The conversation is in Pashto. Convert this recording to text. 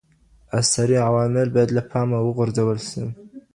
ارثي عوامل بايد له پامه وغورځول سي.